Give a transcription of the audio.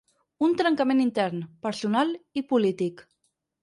Un trencament intern, personal i polític.